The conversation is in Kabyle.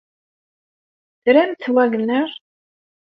Tramt Wagner?